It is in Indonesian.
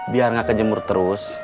biar gak kejemur terus